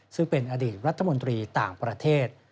ซึ่งเป็นอดีตรัฐมนตรีต่างประเทศ